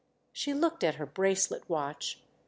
She looked at her bracelet watch.